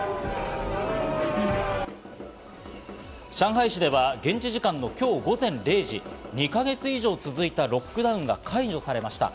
上海市では現地時間の今日午前０時、２か月以上続いたロックダウンが解除されました。